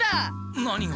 何が？